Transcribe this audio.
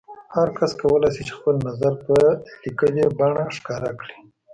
هر کس کولای شي چې خپل نظر په لیکلي بڼه ښکاره کړي.